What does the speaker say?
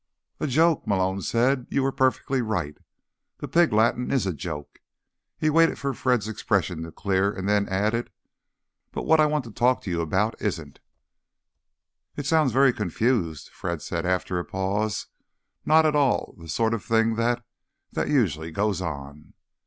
"A joke," Malone said. "You were perfectly right. The pig Latin is a joke." He waited for Fred's expression to clear, and then added: "But what I want to talk to you about isn't." "It sounds very confused," Fred said after a pause. "Not at all the sort of thing that—that usually goes on."